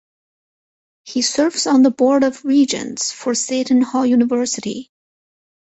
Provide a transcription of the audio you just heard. He serves on the board of regents for Seton Hall University.